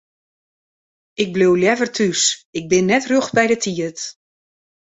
Ik bliuw leaver thús, ik bin net rjocht by de tiid.